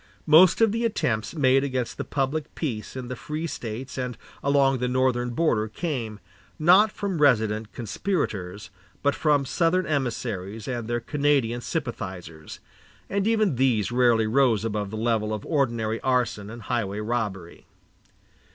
Most of the attempts made against the public peace in the free States and along the northern border came, not from resident conspirators, but from Southern emissaries and their Canadian sympathizers; and even these rarely rose above the level of ordinary arson and highway robbery.